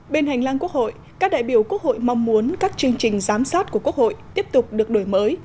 bên hành lang quốc hội các đại biểu quốc hội mong muốn các chương trình giám sát của quốc hội tiếp tục được đổi mới